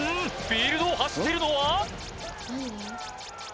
フィールドを走っているのは？